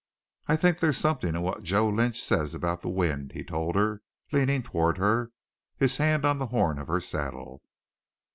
"I think there's something in what Joe Lynch says about the wind," he told her, leaning toward her, hand on the horn of her saddle.